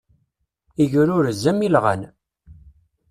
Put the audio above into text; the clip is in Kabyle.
Igrurez, am ilɣan.